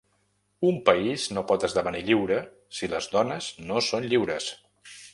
Un país no pot esdevenir lliure, si les dones no són lliures!